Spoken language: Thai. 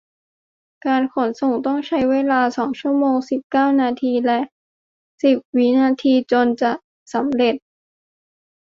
การขนส่งต้องใช้เวลาสองชั่วโมงสิบเก้านาทีและสิบวินาทีจนจะสำเร็จ